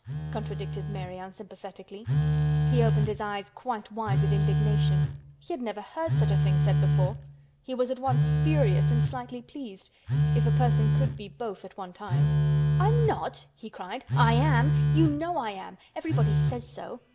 contradicted Mary unsympathetically. He opened his eyes quite wide with indignation. He had never heard such a thing said before. He was at once furious and slightly pleased, if a person could be both at one time. "I'm not?" he cried. "I am! You know I am! Everybody says so."